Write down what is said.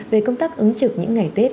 về công tác ứng trực những ngày tết